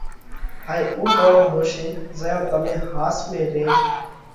هائي اُو ٽوڻو هوشي زئيون تمي ۿاس ۾ رينَ